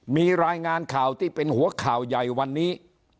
มีรายงานข่าวที่เป็นหัวข่าวใหญ่วันนี้